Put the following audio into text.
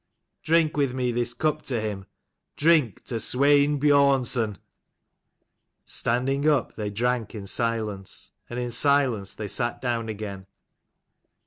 Drink with me this cup to him : drink to Swein Biornson." Standing up, they drank in silence : and in silence they sat down again.